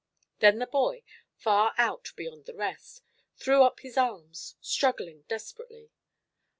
Then the boy far out beyond the rest threw up his arms, struggling desperately.